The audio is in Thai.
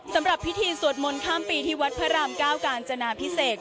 สำหรับพิธีสวดมนต์ข้ามปีที่วัดพระรามเก้ากาญจนาพิเศษ